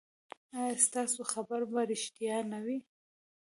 ایا ستاسو خبر به ریښتیا نه وي؟